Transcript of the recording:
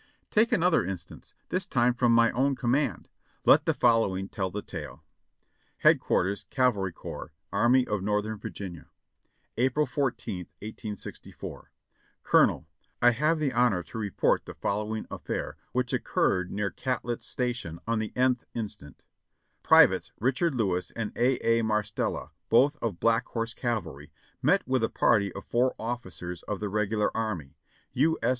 Take another instance, this time from my own command. Let the following tell the tale : "Hdqrs. Cav. Corps, Armv of Northern Virginia. "April 14th, 1864. "Colonel : "I have the honor to report the following affair {petite guerre) which occurred near Catlett's Station on the nth instant: "Privates Richard Lewis and A, A. Marstella, both of Black Horse Cavalry, met with a party of four officers of the regular army, U. S.